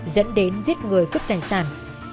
dẫn đến giết người cấp tài sản